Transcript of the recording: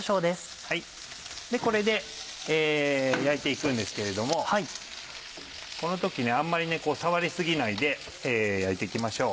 これで焼いて行くんですけれどもこの時あんまり触り過ぎないで焼いて行きましょう。